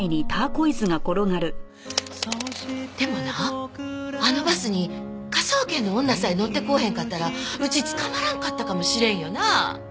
でもなあのバスに科捜研の女さえ乗ってこうへんかったらうち捕まらんかったかもしれんよな？